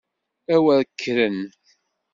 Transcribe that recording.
A wer kkren!